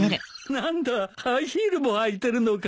何だハイヒールも履いてるのか。